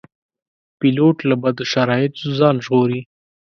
پیلوټ له بدو شرایطو ځان ژغوري.